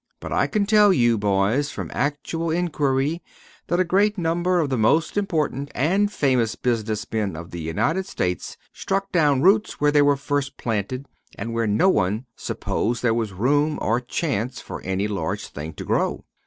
But I can tell you, boys, from actual inquiry, that a great number of the most important and famous business men of the United States struck down roots where they were first planted, and where no one supposed there was room or chance for any large thing to grow.